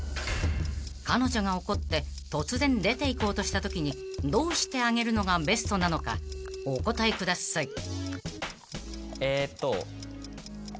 ［彼女が怒って突然出ていこうとしたときにどうしてあげるのがベストなのかお答えください］えっと。